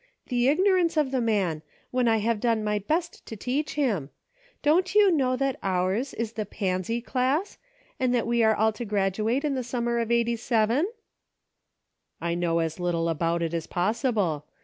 The ignorance of the man, when I have done my best to teach him ! Don't you know that oitrs is the Pansy Class, and that we are all to graduate in the summer of '87 }"" I know as little about it as possible.